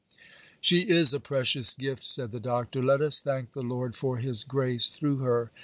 'She is a precious gift,' said the Doctor; 'let us thank the Lord for His grace through her.